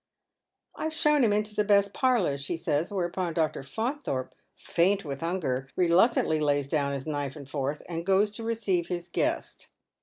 " I've shown him into the best parlour," she says, whereupon Dr. Faunthorpe, faint with hunger, reluctantly lays down his knife and fork, and goes to receive his guest.